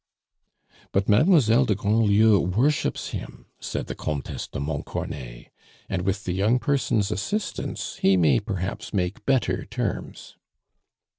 "But Mademoiselle de Grandlieu worships him," said the Comtesse de Montcornet; "and with the young person's assistance, he may perhaps make better terms."